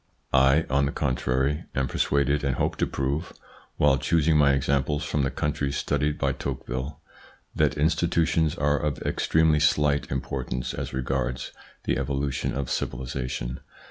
I, on the contrary, am persuaded and hope to prove, while choosing my examples from the countries studied by Tocqueville, that institutions are of ex tremely slight importance as regards the evolution of civilisation.